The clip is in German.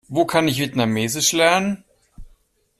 Wo kann ich Vietnamesisch lernen?